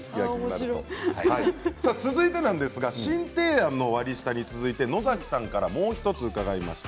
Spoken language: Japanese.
続いてなんですが新提案の割り下に続いて野崎さんからもう１つ伺いました。